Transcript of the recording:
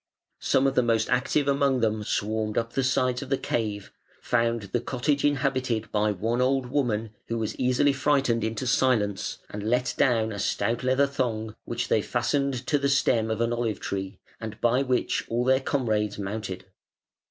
Some of the most active among them swarmed up the sides of the cave, found the cottage inhabited by one old woman who was easily frightened into silence, and let down a stout leather thong which they fastened to the stem of an olive tree, and by which all their comrades mounted.